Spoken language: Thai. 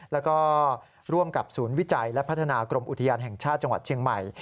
แล้วก็ร่วมกับศูนย์วิจัยและพัฒนากรมอุทยานแห่งชาติจังหวัดเชียงใหม่